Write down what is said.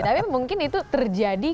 tapi mungkin itu terjadi